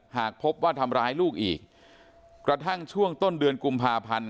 หากพบว่าทำร้ายลูกอีกกระทั่งช่วงต้นเดือนกุมภาพันธ์